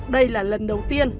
đây là lần đầu tiên